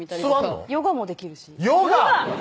ヨガもできるしヨガ⁉